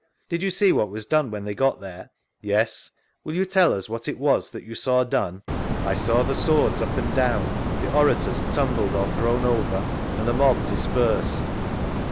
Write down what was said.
Did you see what was done when they got thene ? Yes. Will you tell us what it was that you saw done? — I saw the swords up and down, the orators tumbled or thrown over, and the mob dispersed.